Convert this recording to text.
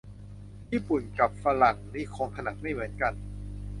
ญี่ปุ่นกะฝรั่งนี่คงถนัดไม่เหมือนกัน